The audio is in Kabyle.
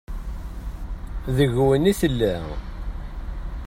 Deg-wen i tella.